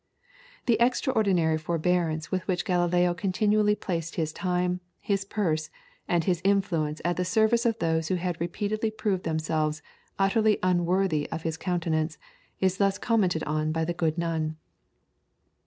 The extraordinary forbearance with which Galileo continually placed his time, his purse, and his influence at the service of those who had repeatedly proved themselves utterly unworthy of his countenance, is thus commented on by the good nun.